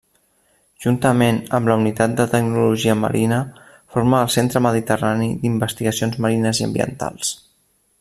Juntament amb la Unitat de Tecnologia Marina forma el Centre Mediterrani d'Investigacions Marines i Ambientals.